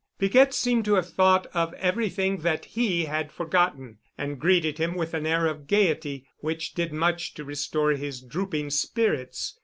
Piquette seemed to have thought of everything that he had forgotten, and greeted him with an air of gayety which did much to restore his drooping spirits.